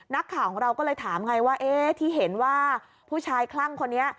นักข่าวของเราก็เลยถามไงว่าเอ๊ะที่เห็นว่าผู้ชายคลั่งคนนี้